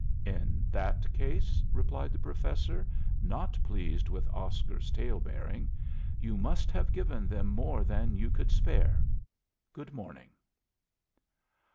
"In that case," replied the Professor, not pleased with Oscar's tale bearing, "you must have given them more than you could spare. Good morning."